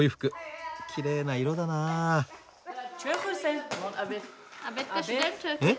きれいな色だな。え？